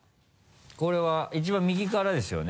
これは一番右からですよね？